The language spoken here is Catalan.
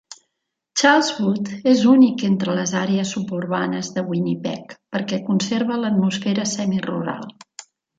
Charleswood és únic entre les àrees suburbanes de Winnipeg perquè conserva l"atmosfera semi-rural.